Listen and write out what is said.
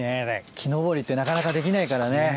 木登りってなかなかできないからね